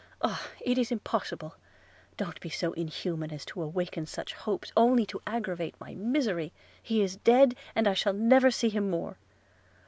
Oh! it is impossible; don't be so inhuman as to awaken such hopes, only to aggravate my misery. He is dead, and I shall never see him more!'